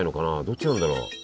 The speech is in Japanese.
どっちなんだろう？